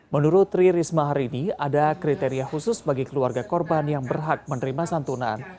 menurut tri risma hari ini ada kriteria khusus bagi keluarga korban yang berhak menerima santunan